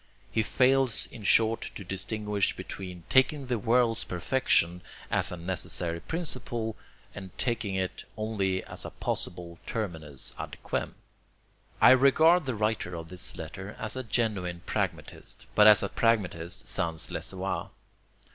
He fails in short to distinguish between taking the world's perfection as a necessary principle, and taking it only as a possible terminus ad quem. I regard the writer of this letter as a genuine pragmatist, but as a pragmatist sans le savoir.